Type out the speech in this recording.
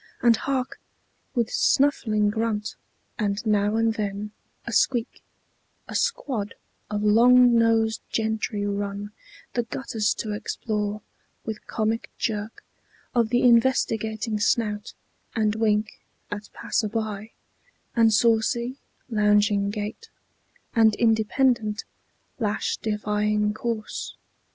And hark! with snuffling grunt, and now and then A squeak, a squad of long nosed gentry run The gutters to explore, with comic jerk Of the investigating snout, and wink At passer by, and saucy, lounging gait, And independent, lash defying course.